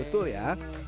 kering betul ya